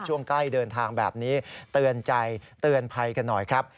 ช่วงใกล้เดินทางแบบนี้เตือนใจเตือนภัยกันหน่อยครับ